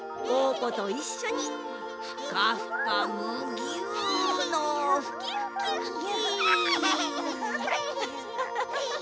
ぽといっしょにふかふかむぎゅのふきふきふき！